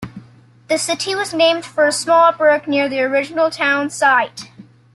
The city was named for a small brook near the original town site.